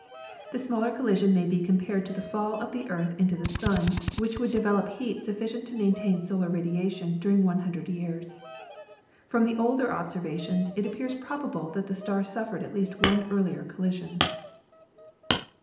The smaller collision may be compared to the fall of the Earth into the Sun, which would develop heat sufficient to maintain solar radiation during 100 years. From the older observations it appears probable that the star suffered at least one earlier collision.